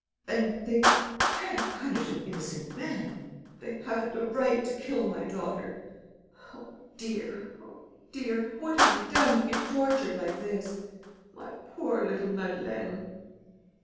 And they can't punish an innocent man. They haven't the right to kill my daughter. Oh dear, oh dear, what have we done to be tortured like this? My poor little Madeleine!"